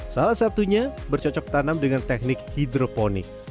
salah satunya bercocok tanam dengan teknik hidroponik